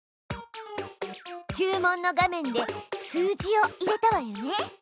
注文の画面で数字を入れたわよね。